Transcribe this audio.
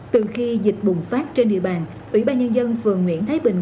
từ khi dịch bùng phát trên địa bàn ủy ban nhân dân phường nguyễn thái bình